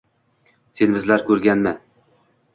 Sen bizlar ko’rganni